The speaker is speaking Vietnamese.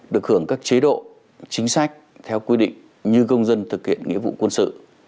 được hưởng các chế độ chính sách theo quy định như công dân thực hiện nghĩa vụ quân sự